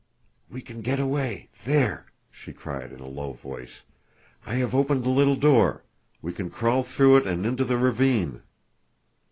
"We can get away—there!" she cried in a low voice. "I have opened the little door. We can crawl through it and into the ravine."